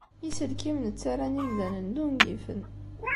Iselkimen ttarran imdanen d ungifen.